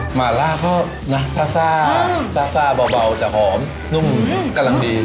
หมาล่าเขานะซ่าซ่าเบาแต่หอมนุ่มกำลังดี